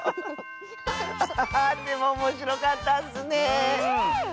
ハハハーでもおもしろかったッスね！